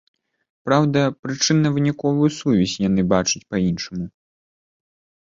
Праўда, прычынна-выніковую сувязь яны бачаць па-іншаму.